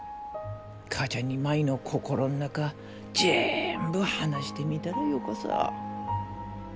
母ちゃんに舞の心の中じぇんぶ話してみたらよかさ。